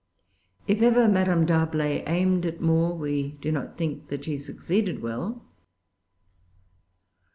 If ever Madame D'Arblay aimed at more, we do not think that she succeeded well.